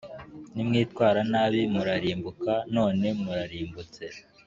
nimwitwara nabi murarimbuka, none murarimbutse